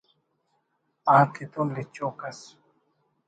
آتتون لچوک ئس